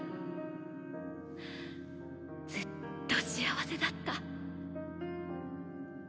ずっと幸せだった。